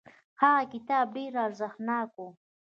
هغه کتاب ډیر ارزښتناک و.